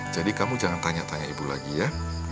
kamu jangan tanya tanya ibu lagi ya